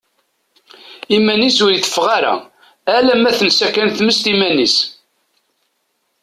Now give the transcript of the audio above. Iman-is ur iteffeɣ, alamma tensa kan tmes iman-is.